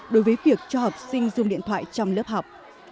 đối với việc cho học sinh dùng điện thoại trong lớp học